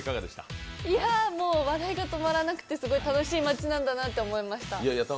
もう笑いが止まらなくてすごい楽しい街なんだなと思いました。